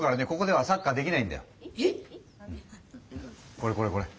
これこれこれ。